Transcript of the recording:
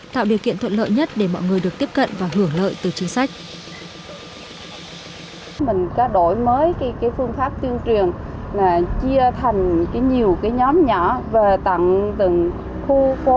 tạo điều kiện thuận lợi nhất để mọi người được tiếp cận và hưởng lợi từ chính sách